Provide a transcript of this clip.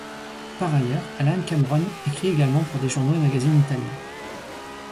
Par ailleurs, Allan Cameron écrit également pour des journaux et magazines italiens.